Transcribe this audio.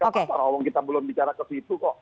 karena kita belum bicara ke situ kok